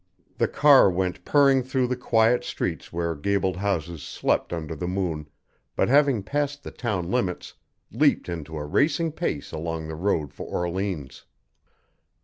The car went purring through the quiet streets where gabled houses slept under the moon, but having passed the town limits, leaped into a racing pace along the road for Orleans.